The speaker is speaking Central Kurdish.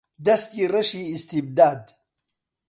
دەستی ڕەشی ئیستیبداد